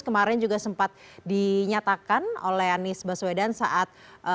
kemarin juga sempat dinyatakan oleh anies baswedan saat